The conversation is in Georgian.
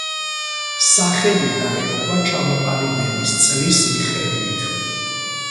სახელი დაერქვა ჩამოყალიბების წლის მიხედვით.